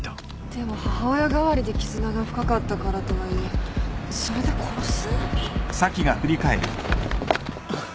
でも母親代わりで絆が深かったからとはいえそれで殺す？